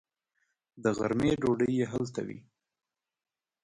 د غرمې ډوډۍ یې هلته وي.